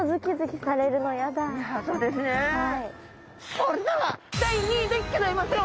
それでは第２位でギョざいますよ！